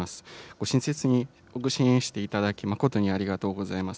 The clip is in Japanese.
ご親切にご支援していただき、誠にありがとうございます。